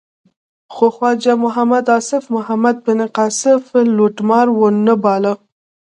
خو خواجه محمد آصف محمد بن قاسم لوټمار و نه باله.